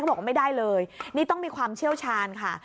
บอกว่าไม่ได้เลยนี่ต้องมีความเชี่ยวชาญค่ะ